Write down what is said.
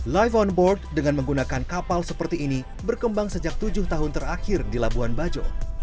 live on board dengan menggunakan kapal seperti ini berkembang sejak tujuh tahun terakhir di labuan bajo